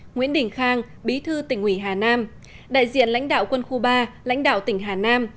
nguyễn đình khang bí thư tỉnh ủy hà nam đại diện lãnh đạo quân khu ba lãnh đạo tỉnh hà nam